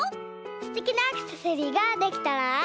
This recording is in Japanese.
すてきなアクセサリーができたら。